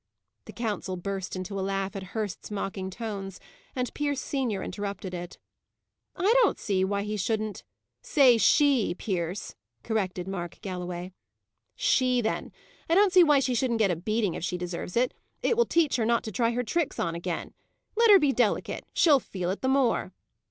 The council burst into a laugh at Hurst's mocking tones, and Pierce senior interrupted it. "I don't see why he shouldn't " "Say she, Pierce," corrected Mark Galloway. "She, then. I don't see why she shouldn't get a beating if she deserves it; it will teach her not to try her tricks on again. Let her be delicate; she'll feel it the more."